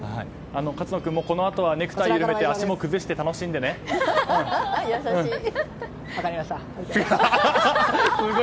勝野君もこのあとはネクタイを緩めて分かりました。